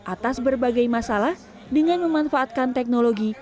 atas berbagai masalah dengan memanfaatkan teknologi